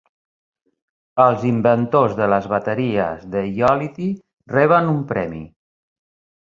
Els inventors de les bateries de ió-liti reben un premi